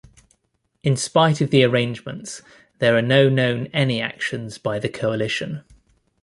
In spite of the arrangements there are no known any actions by the coalition.